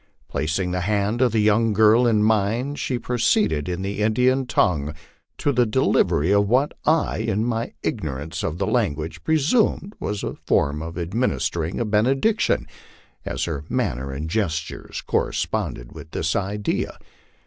Placing the hand of the young girl in mine, she proceeded in the Indian tongue to the de livery of what I, in my ignorance of the language, presumed was a form of administering a benediction, as her manner and gestures corresponded with this idea.